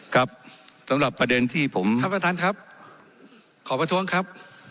ครับสำหรับประเด็นที่ผมท่านประธานครับขอประท้วงครับ